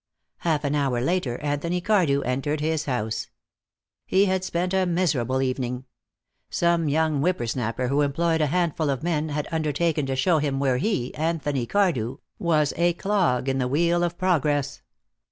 Half an hour later Anthony Cardew entered his house. He had spent a miserable evening. Some young whipper snapper who employed a handful of men had undertaken to show him where he, Anthony Cardew, was a clog in the wheel of progress.